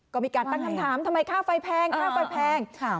ก็มีการตั้งคำถามทำไมค่าไฟแพงค่าไฟแพง